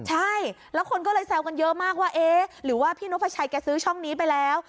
ใช่แล้วคนก็เลยแซวกันเยอะมากว่าเอ๊ะหรือว่าพี่นกพระชัยแกซื้อช่องนี้ไปแล้ว